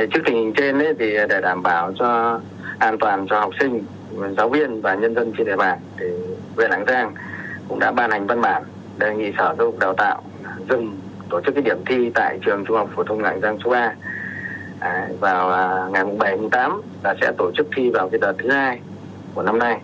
của năm nay